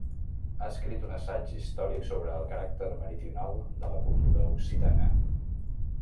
Ha escrit un assaig històric sobre el caràcter meridional de la cultura occitana.